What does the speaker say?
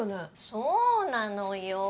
そうなのよ